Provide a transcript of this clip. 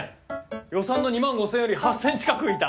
予算の２万５，０００円より８，０００円近く浮いた。